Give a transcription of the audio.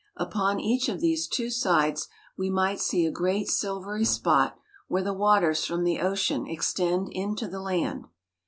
Upon each of these two sides we might see a great silvery spot where the waters from the ocean extend into the land.